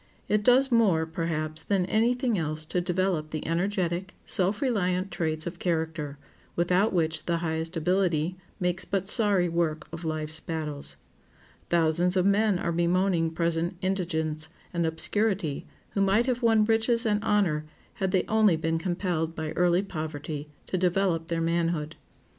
It does more, perhaps, than any thing else to develop the energetic, self reliant traits of character, without which the highest ability makes but sorry work of life's battles. Thousands of men are bemoaning present indigence and obscurity who might have won riches and honor had they only been compelled by early poverty to develop their manhood.